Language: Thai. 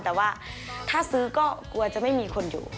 แต่ว่าถ้าซื้อก็กลัวจะไม่มีคนอยู่